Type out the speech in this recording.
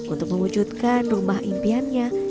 untuk mewujudkan rumah impiannya